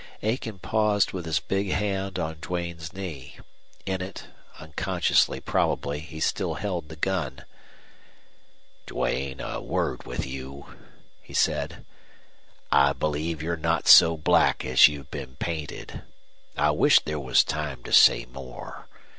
Aiken paused with his big hand on Duane's knee. In it, unconsciously probably, he still held the gun. "Duane, a word with you," he said. "I believe you're not so black as you've been painted. I wish there was time to say more.